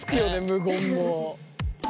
無言も。